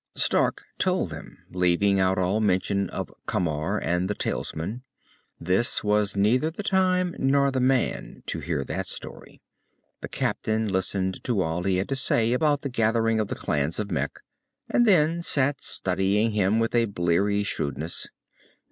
Stark told them, leaving out all mention of Camar and the talisman. This was neither the time nor the man to hear that story. The captain listened to all he had to say about the gathering of the clans of Mekh, and then sat studying him with a bleary shrewdness.